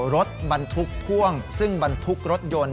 รถกระบะบันทุกพ่วงซึ่งบันทุกรถยนต์